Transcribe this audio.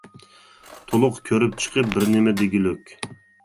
تولۇق كۆرۈپ چىقىپ بىر نېمە دېگۈلۈك.